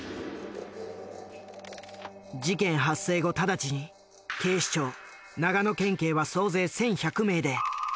事件発生後直ちに警視庁長野県警は総勢１，１００名で山荘を包囲した。